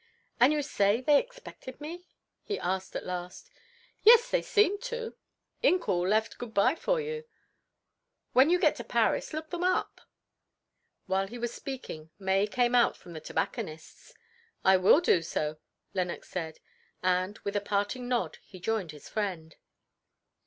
"And you say they expected me?" he asked at last. "Yes, they seemed to. Incoul left good bye for you. When you get to Paris look them up." While he was speaking May came out from the tobacconist's. "I will do so," Lenox said, and with a parting nod he joined his friend.